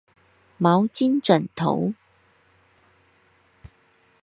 毛巾枕頭